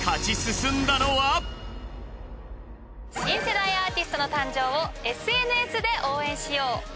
新世代アーティストの誕生をＳＮＳで応援しよう。